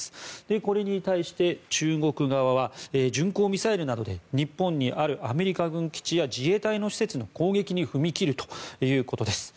これに対して中国側は巡航ミサイルなどで日本にあるアメリカ軍基地や自衛隊施設の攻撃に踏み切るということです。